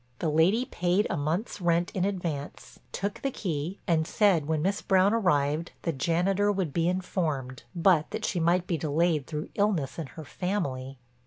The lady paid a month's rent in advance, took the key, and said when Miss Brown arrived, the janitor would be informed, but that she might be delayed through illness in her family.